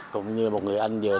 cũng như một người anh giờ